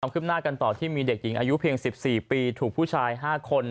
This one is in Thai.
ขึ้นหน้ากันต่อที่มีเด็กหญิงอายุเพียง๑๔ปีถูกผู้ชาย๕คน